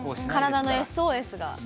体のＳＯＳが。